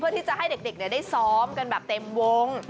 ที่จะให้เด็กได้ซ้อมกันแบบเต็มวง